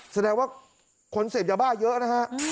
แสดงว่าคนเสพยาบ้าเยอะนะฮะ